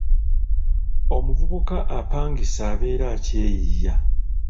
Omuvubuka apangisa abeera akyeyiiya.